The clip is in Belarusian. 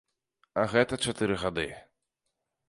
А гэта чатыры гады.